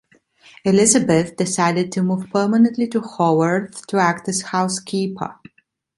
Elizabeth decided to move permanently to Haworth to act as housekeeper.